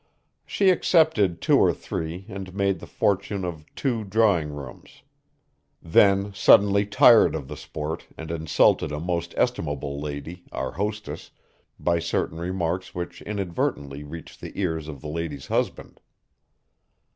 She accepted two or three and made the fortune of two drawing rooms; then suddenly tired of the sport and insulted a most estimable lady, our hostess, by certain remarks which inadvertently reached the ears of the lady's husband.